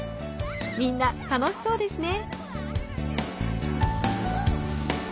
みんな、楽しそうですね。